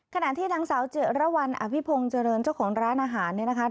ขณะที่นางสาวเจรวรรณอภิพงศ์เจริญเจ้าของร้านอาหารเนี่ยนะคะ